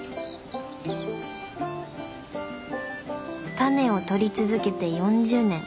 タネをとり続けて４０年。